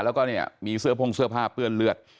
แล้วก็เนี่ยมีเสื้อพ่งเสื้อผ้าเปื้อนเลือด